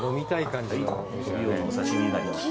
トビウオのお刺身になります。